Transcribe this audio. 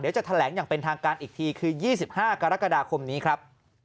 จะแถลงอย่างเป็นทางการอีกทีคือ๒๕กรกฎาคมนี้ครับ